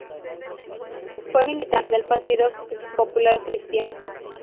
Fue militante del Partido Popular Cristiano.